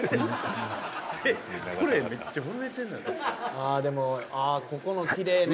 ああでもここのきれいね。